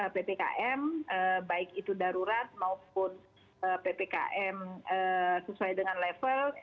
ppkm baik itu darurat maupun ppkm sesuai dengan level